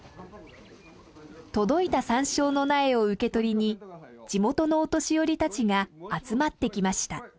届いたサンショウの苗を受け取りに地元のお年寄りたちが集まってきました。